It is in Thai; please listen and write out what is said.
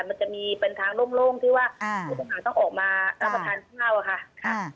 มันจะมีเป็นทางโล่งที่ว่าผู้ต้องขังต้องออกมารับผ่านเที่ยวค่ะ